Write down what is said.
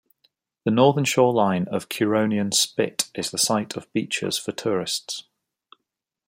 The northern shoreline of Curonian Spit is the site of beaches for tourists.